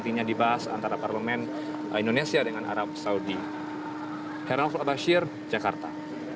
dua empat ratus undangan akan hadir dan akan disuruh ke jakarta